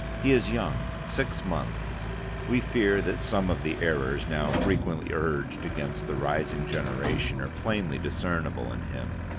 He is young: six months; we fear that some of the errors now frequently urged against the rising generation are plainly discernible in him.